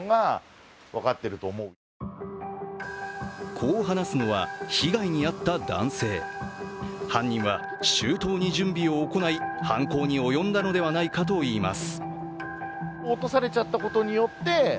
こう話すのは、被害に遭った男性犯人は周到に準備を行い犯行に及んだのではないかといいます。